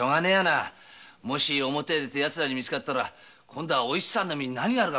そりゃあ奴らに見つかったら今度はおいちさんの身に何があるか？